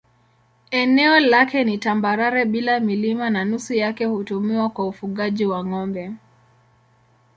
Eneo lake ni tambarare bila milima na nusu yake hutumiwa kwa ufugaji wa ng'ombe.